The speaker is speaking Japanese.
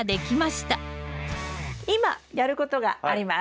今やることがあります。